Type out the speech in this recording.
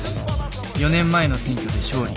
４年前の選挙で勝利。